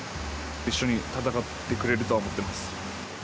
一緒に戦ってくれるとは思ってます。